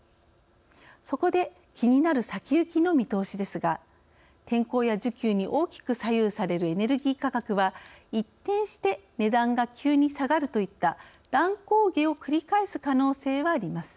そこで、気になる先行きの見通しですが天候や需給に大きく左右されるエネルギー価格は一転して値段が急に下がるといった乱高下を繰り返す可能性があります。